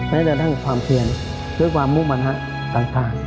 แม้แต่ว่ากับความเทียนหรือความมุมมะนะต่าง